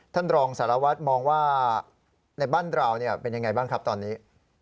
ท่านรองสารวัตรมองว่าในบ้านเราเป็นยังไงบ้างครับตอนนี้